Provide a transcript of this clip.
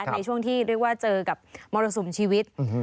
ในช่วงที่เรียกว่าเจอกับมรสุมชีวิต